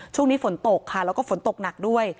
ช่วงนี้ฝนตกค่ะแล้วก็ฝนตกหนักด้วย